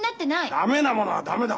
駄目なものは駄目だ。